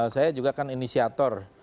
saya juga kan inisiator